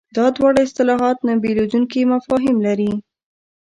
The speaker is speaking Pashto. دا دواړه اصطلاحات نه بېلېدونکي مفاهیم لري.